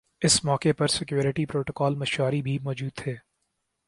اس موقع پر secretary protocol Mishari بھی موجود تھے